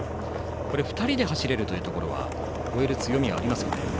２人で走れるというところで追える強みはありますか？